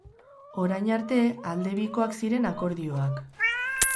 Orain arte aldebikoak ziren akordioak.